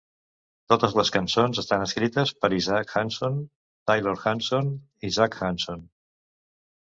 Totes les cançons estan escrites per Isaac Hanson, Taylor Hanson i Zac Hanson.